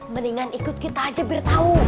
mendingan ikut kita aja biar tahu